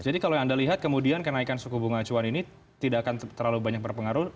jadi kalau yang anda lihat kemudian kenaikan suku bunga acuan ini tidak akan terlalu banyak berpengaruh